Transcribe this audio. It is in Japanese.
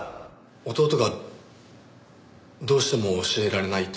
弟がどうしても教えられないと。